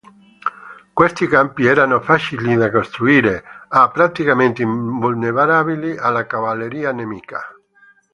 Questi campi erano facili da costruire e praticamente invulnerabili alla cavalleria nemica.